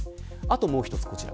もう一つはこちら。